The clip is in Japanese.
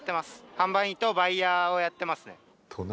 販売員とバイヤーをやってますね。